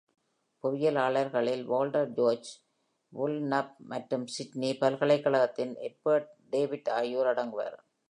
புவியியலாளர்களில் Walter George Woolnough மற்றும் Sydney பல்கலைக்கழகத்தின் எட்ஜ்வொர்த் David ஆகியோர் அடங்குவர்.